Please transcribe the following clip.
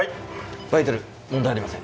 バイタル問題ありません。